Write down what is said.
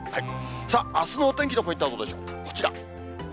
さあ、あすのお天気のポイントはどうでしょう、こちら。